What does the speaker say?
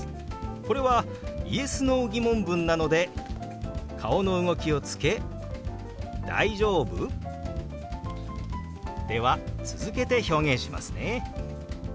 これはＹｅｓ／Ｎｏー疑問文なので顔の動きをつけ「大丈夫？」。では続けて表現しますね。